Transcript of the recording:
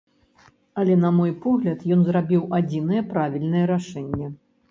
Але, на мой погляд, ён зрабіў адзінае правільнае рашэнне.